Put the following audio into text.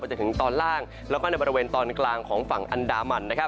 จนถึงตอนล่างแล้วก็ในบริเวณตอนกลางของฝั่งอันดามัน